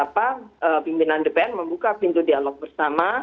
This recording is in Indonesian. pimpinan dpr membuka pintu dialog bersama